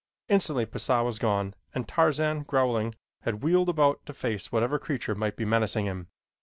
Instantly Pisah was gone and Tarzan, growling, had wheeled about to face whatever creature might be menacing him.